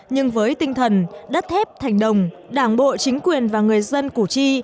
nhưng với tinh thần đất thép thành đồng đảng bộ chính quyền và người dân củ chi